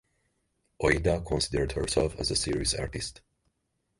Ouida considered herself a serious artist.